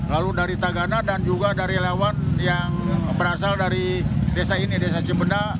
lalu dari tagana dan juga dari lawan yang berasal dari desa ini desa cimpenda